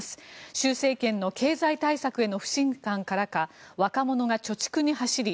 習政権の経済対策への不信感からか若者が貯蓄に走り